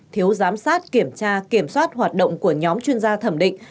thiếu giám sát kiểm tra kiểm soát hoạt động của nhóm chuyên gia thẩm định